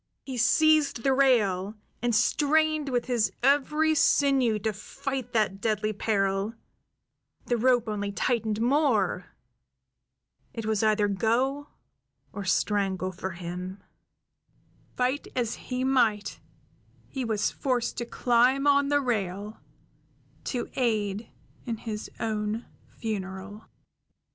He seized the rail, and strained with his every sinew to fight that deadly peril; the rope only tightened more; it was either go or strangle for him; fight as he might, he was forced to climb on the rail, to aid in his own funeral.